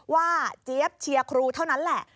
เจี๊ยบเชียร์ครูเท่านั้นแหละ